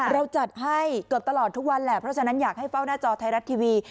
เราจัดให้เกือบตลอดทุกวันแหละเพราะฉะนั้นอยากให้เฝ้าหน้าจอไทยรัฐทีวี